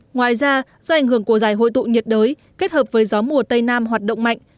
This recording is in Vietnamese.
ngoài ra do ảnh hưởng của giải hội tụ nhiệt đới kết hợp với gió mùa tây nam hoạt động mạnh